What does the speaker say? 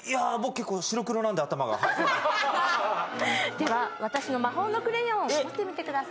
では私の魔法のクレヨンを持ってみてください。